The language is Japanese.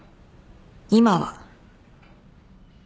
今は。